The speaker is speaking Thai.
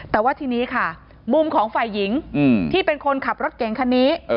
แต่ว่าทีนี้ค่ะมุมของฝ่ายหญิงที่เป็นคนขับรถเก่งคันนี้